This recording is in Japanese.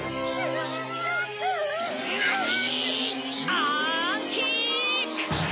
アンキック！